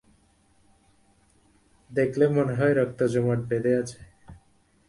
দেখলে মনে হয় রক্ত জমাট বেধে আছে।